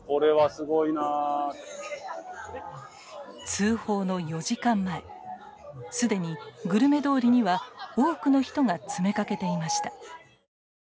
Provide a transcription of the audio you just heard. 通報の４時間前すでにグルメ通りには多くの人が詰めかけていました。